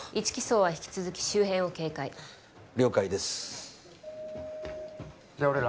１機捜は引き続き周辺を警戒了解ですじゃ